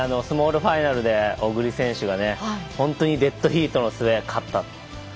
スモールファイナルで小栗選手が本当にデッドヒートの末勝った。